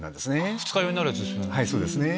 二日酔いになるやつですよね。